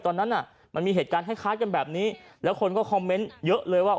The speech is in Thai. ตอนนั้นน่ะมันมีเหตุการณ์คล้ายกันแบบนี้แล้วคนก็คอมเมนต์เยอะเลยว่า